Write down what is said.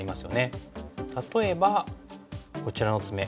例えばこちらのツメ。